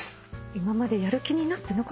今までやる気になってなかったのかな